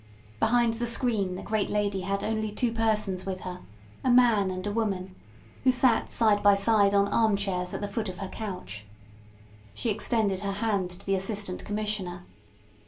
Behind the screen the great lady had only two persons with her: a man and a woman, who sat side by side on arm chairs at the foot of her couch. She extended her hand to the Assistant Commissioner.